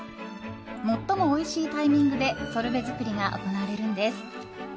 最もおいしいタイミングでソルベ作りが行われるんです。